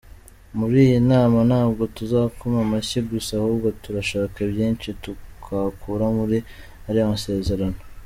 Muri iyi nama ntabwo tuzakoma amashyi gusa ahubwo turashaka byinshi twakura muri ariya masezerano”.